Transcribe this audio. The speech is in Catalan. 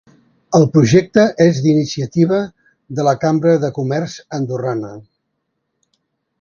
El projecte és d'iniciativa de la Cambra de Comerç andorrana.